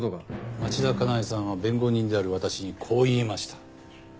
町田加奈江さんは弁護人である私にこう言いました。